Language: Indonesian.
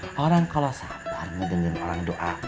sekarang kalo sabar nih gendeng orang doa